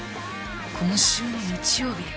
今週の日曜日